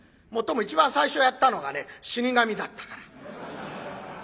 もっとも一番最初やったのがね「死神」だったから。